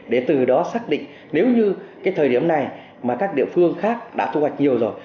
để từ đó xác định nếu như cái thời điểm này mà các địa phương khác đã thu hoạch nhiều rồi